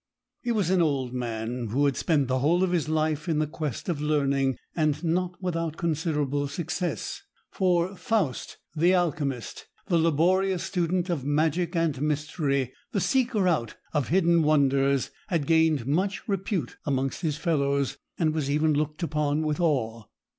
He was an old man who had spent the whole of his life in the quest of learning; and not without considerable success, for Faust the Alchemist, the laborious student of magic and mystery, the seeker out of hidden wonders, had gained much repute amongst his fellows, and was even looked upon with awe.